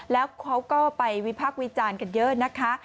แล้วเขาก็ไปวิพักษ์วิจารณ์กันเยอะนะคะ